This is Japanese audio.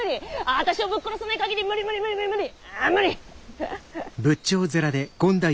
私をぶっ殺さない限り無理無理無理無理無理。